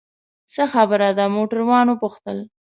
څه خبره ده؟ موټروان وپوښتل.